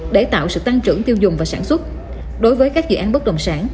để tạo sự tăng trưởng tiêu dùng và sản xuất đối với các dự án bất động sản